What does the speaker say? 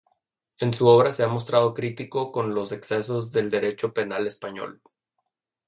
En su obra se ha mostrado crítico con los excesos del Derecho penal español.